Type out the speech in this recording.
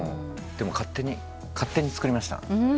でも勝手に作りました。